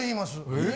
え。